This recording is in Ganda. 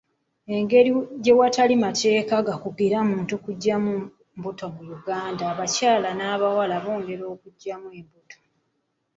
Engeri gye watali mateeka gakugira kuggyamu mbuto mu Uganda, abakyala n'abawala bongera okuggyamu embuto.